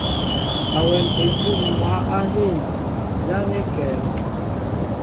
Awɛm etǔm mwǎ á hîn, ján é kɛ̌?